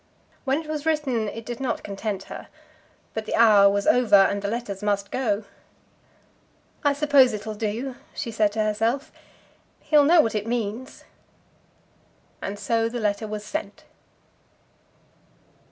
When it was written it did not content her. But the hour was over, and the letters must go. "I suppose it'll do," she said to herself. "He'll know what it means." And so the letter was sent.